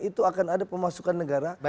itu akan ada pemasukan negara